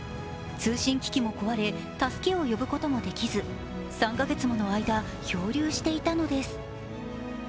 通信機器も壊れ、助けを呼ぶこともできず３か月もの間、漂流していたのです。